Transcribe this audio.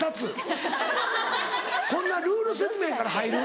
こんなルール説明から入る？